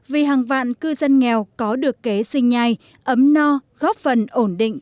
vì hàng vạn cư dân nghèo có được kế sinh nhai ấm no góp phần ổn định